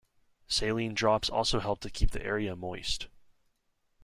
Saline drops also help to keep the area moist.